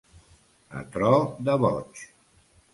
A tro de boig.